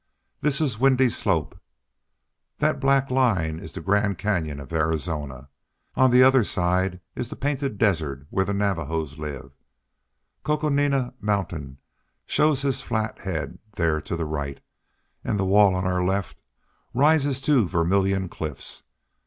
"This is Windy Slope; that black line is the Grand Canyon of Arizona; on the other side is the Painted Desert where the Navajos live; Coconina Mountain shows his flat head there to the right, and the wall on our left rises to the Vermillion Cliffs.